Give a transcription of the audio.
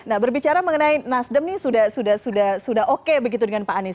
nah berbicara mengenai nasdem ini sudah oke begitu dengan pak anies